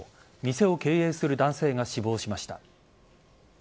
店を経営する男性が死亡しました。